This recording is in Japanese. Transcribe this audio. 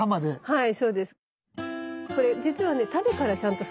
はい。